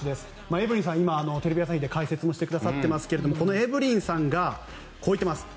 エブリンさんは今テレビ朝日で解説もしてくださっていますがこのエブリンさんがこう言っています。